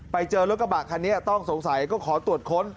ไปเจอรถกระบะคันนี้ต้องสงสัยก็ขอตรวจค้น